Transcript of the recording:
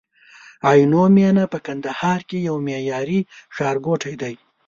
عینومېنه په کندهار کي یو معیاري ښارګوټی دی